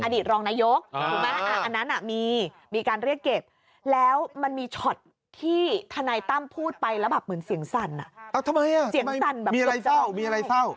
ทำไมมีอะไรเศร้ามีอะไรเศร้า